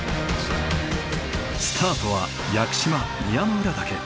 スタートは屋久島宮之浦岳。